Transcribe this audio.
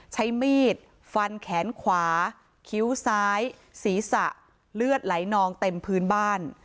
ใช้มีดฟันแขนขวาคิ้วซ้ายศีรษะเลือดไหลนองเต็มพื้นบ้าน